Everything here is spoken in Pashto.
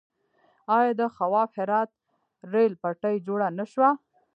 آیا د خواف هرات ریل پټلۍ جوړه نه شوه؟